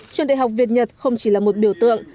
trường đại học việt nhật không chỉ là một biểu tượng